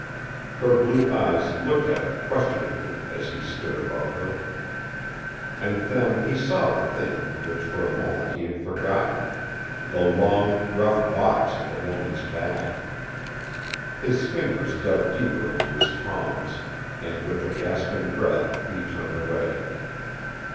Her blue eyes looked at him questioningly as he stood above her. And then he saw the thing which for a moment he had forgotten the long, rough box at the woman's back. His fingers dug deeper into his palms, and with a gasping breath he turned away.